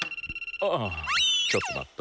ああちょっと待っと。